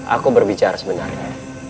aku berbicara sebenarnya